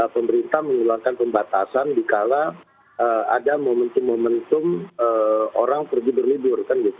pemerintah mengeluarkan pembatasan dikala ada momentum momentum orang pergi berlibur